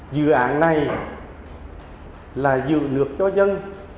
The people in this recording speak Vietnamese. dự án này là dự nước cho dân